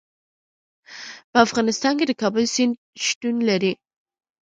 په افغانستان کې د کابل سیند شتون لري.